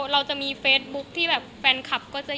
เราเป็นเครื่องสบายประโยชน์